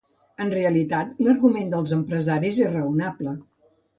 En realitat, l’argument dels empresaris és raonable.